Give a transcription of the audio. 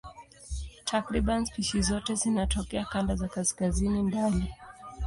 Takriban spishi zote zinatokea kanda za kaskazini mbali.